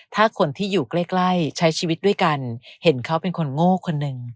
ถ้าคนที่อยู่ใกล้ใช้ชีวิตด้วยกันเห็นเขาเป็นคนโง่คนหนึ่ง